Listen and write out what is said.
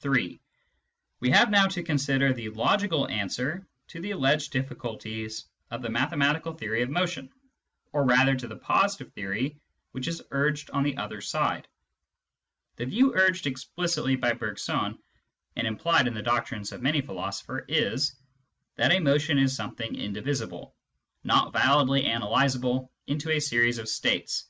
(3) We have now to consider the logical answer to the alleged difficulties of the mathematical theory of motion, or rather to the positive theory which is urged on the other side. The view urged explicitly by Bergson, and implied in the doctrines of many philosophers, is, that a motion is something indivisible, not validly analysable into a series of states.